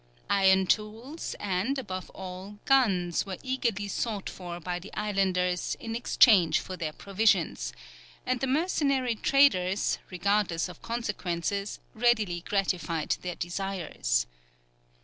Iron tools and, above all, guns were eagerly sought for by the islanders in exchange for their provisions; and the mercenery traders, regardless of consequences, readily gratified their desires.